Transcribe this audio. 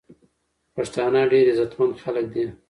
پښتانه ډیر عزت مند خلک دی.